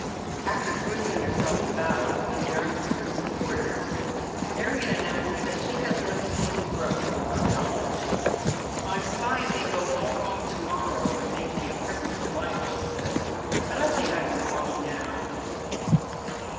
After twisting herself about a little in the arms of her sup porters, Marion announces that she has no bones broken, to her knowledge. 208 Dead Men's SJioei. " My spine may go all wrong to morrow, and make me 9 cripple for life," she says, " but I think I cap walk now."